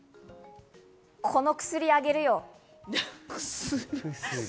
この薬あげるよ。